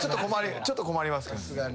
ちょっと困ります。